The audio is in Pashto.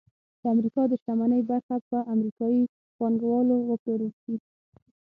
د امریکا د شتمنۍ برخه په امریکايي پانګوالو وپلورل شي